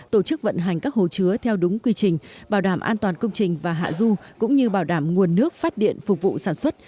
tổ chức vận hành các hồ chứa theo đúng quy trình bảo đảm an toàn công trình và hạ du cũng như bảo đảm nguồn nước phát điện phục vụ sản xuất